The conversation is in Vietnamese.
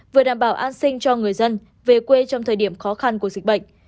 vừa đảm bảo an sinh cho người dân về quê trong thời điểm khó khăn của dịch bệnh